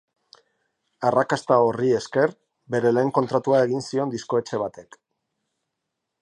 Arrakasta horri esker, bere lehen kontratua egin zion diskoetxe batek.